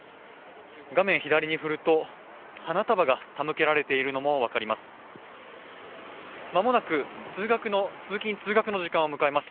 画面左に振ると花束が手向けられているのも分かります。